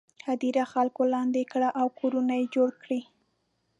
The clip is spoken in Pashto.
هدیرې خلکو لاندې کړي او کورونه یې جوړ کړي.